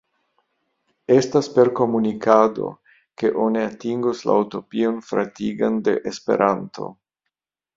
Estas per komunikado, ke oni atingos la utopion fratigan de Esperanto.